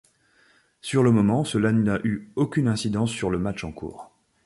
Sur le moment, cela n'a eu aucune incidence sur le match en cours.